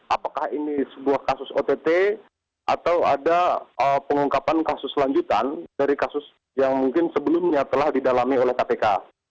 apakah ini sebuah kasus ott atau ada pengungkapan kasus lanjutan dari kasus yang mungkin sebelumnya telah didalami oleh kpk